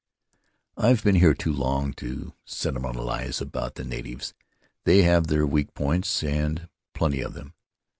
"I've been here too long to sentimentalize about the natives — they have their weak points, and plenty of them.